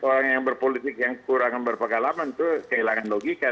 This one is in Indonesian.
orang yang berpolitik yang kurang berpengalaman itu kehilangan logika